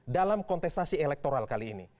dalam kontestasi elektoral kali ini